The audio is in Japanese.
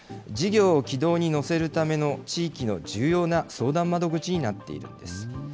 事業を軌道に乗せるための地域の重要な相談窓口になっています。